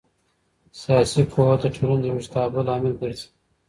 سياسي پوهه د ټولني د ويښتابه لامل ګرځي.